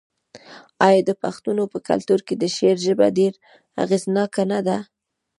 آیا د پښتنو په کلتور کې د شعر ژبه ډیره اغیزناکه نه ده؟